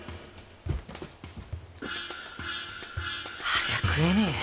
ありゃ食えねえや。